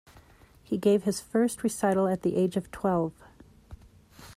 He gave his first recital at the age of twelve.